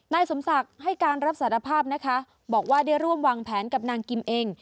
นายสมศักดิ์ให้การรับสารภาพนะคะบอกว่าได้ร่วมวางแผนกับนางกิมเอง